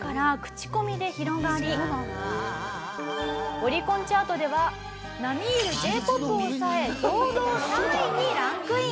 オリコンチャートでは並み居るＪ−ＰＯＰを抑え堂々３位にランクイン。